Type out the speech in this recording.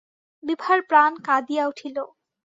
বিভার প্রাণ কাঁদিয়া উঠিল।